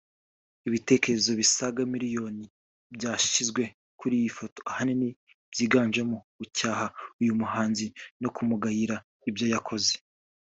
Ibitekerezo bisaga miliyoni byashyizwe kuri iyi foto ahanini byinganjemo gucyaha uyu muhanzi no kumugayira ibyo yakoze